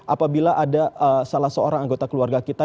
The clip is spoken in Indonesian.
apabila ada salah seorang anggota keluarga kita